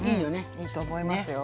いいと思いますよ。